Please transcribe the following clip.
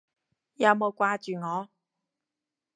有冇掛住我？